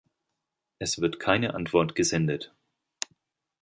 Es wird keine Antwort gesendet.